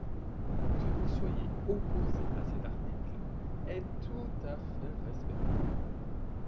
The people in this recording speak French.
Que vous soyez opposé à cet article est tout à fait respectable.